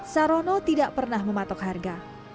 sarono tidak pernah mematok harga